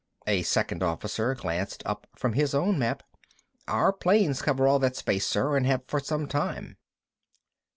A second officer glanced up from his own map. "Our planes cover all that space, sir, and have for some time."